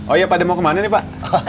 oh ya pada mau kemana nih pak